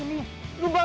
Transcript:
pulang walaupun baru